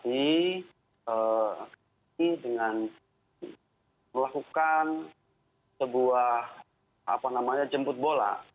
ini dengan melakukan sebuah jemput bola